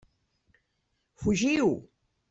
Fugiu!